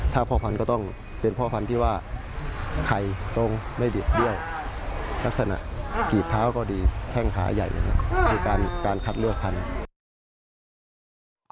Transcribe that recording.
ถ้าพ่อพันธุ์ก็ต้องเป็นพ่อพันธุ์ที่ว่าไข่ตรงไม่บิดเบี้ยวลักษณะกีบเท้าก็ดีแข้งขาใหญ่คือการคัดเลือกพันธุ์